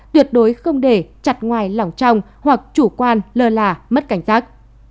tuyệt đối không để chặt ngoài lỏng trong hoặc chủ quan lơ là mất cảnh giác